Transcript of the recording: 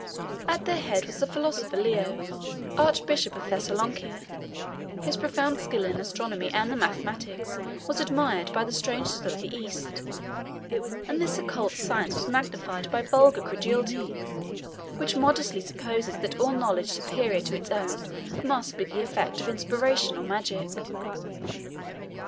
At their head was the philosopher Leo, archbishop of Thessalonica: his profound skill in astronomy and the mathematics was admired by the strangers of the East; and this occult science was magnified by vulgar credulity, which modestly supposes that all knowledge superior to its own must be the effect of inspiration or magic.